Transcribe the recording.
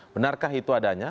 benarkah itu adanya